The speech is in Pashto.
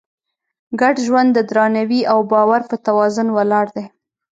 ګډ ژوند د درناوي او باور په توازن ولاړ دی.